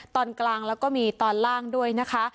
ตอนกลางแล้วก็มีตอนล่างด้วยนะคะ